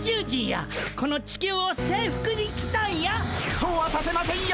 そうはさせませんよ！